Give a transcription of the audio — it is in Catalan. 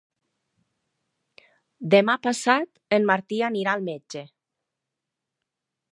Demà passat en Martí anirà al metge.